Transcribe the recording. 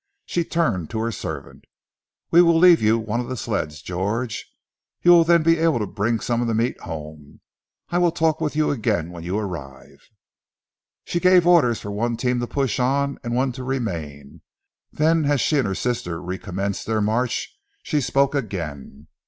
She turned to her servant. "We will leave you one of the sleds, George. You will then be able to bring some of the meat home. I will talk with you again when you arrive." She gave orders for one team to push on and one to remain, then as she and her foster sister recommenced their march she spoke again.